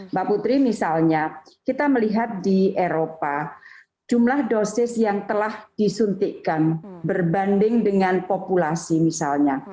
mbak putri misalnya kita melihat di eropa jumlah dosis yang telah disuntikkan berbanding dengan populasi misalnya